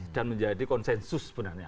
dan menjadi konsensus sebenarnya